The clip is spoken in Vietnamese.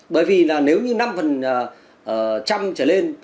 bởi vì là nếu như năm phần trăm trở lên